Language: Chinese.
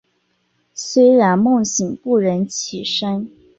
虽然梦醒不忍起身